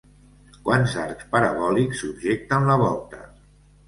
Quants arcs parabòlics subjecten la volta?